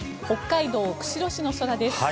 北海道釧路市の空です。